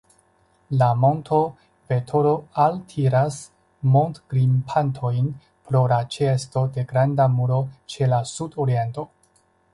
La monto Vetoro altiras montgrimpantojn pro la ĉeesto de granda muro ĉe la sudoriento.